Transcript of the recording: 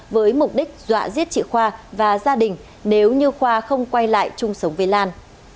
với mục đích dọa giết chị khoa và gia đình nếu như khoa không quay lại chung sống với lan